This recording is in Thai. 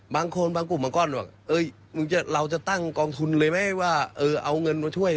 บางคนบางกลุ่มบางก้อนเราจะตั้งกองทุนเลยไหมว่าเอาเงินมาช่วย